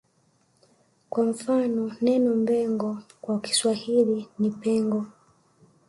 Kwa mfano neno Mbengo kwa Kiswahili ni Pengo